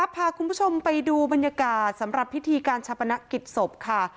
พาคุณผู้ชมไปดูบรรยากาศสำหรับพิธีการชาปนกิจศพค่ะ